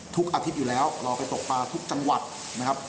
อาทิตย์อยู่แล้วเราไปตกปลาทุกจังหวัดนะครับ